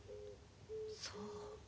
そう。